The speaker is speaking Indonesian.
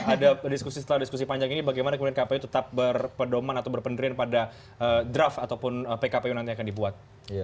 ada diskusi setelah diskusi panjang ini bagaimana kemudian kpu tetap berpedoman atau berpenderian pada draft ataupun pkpu nanti akan dibuat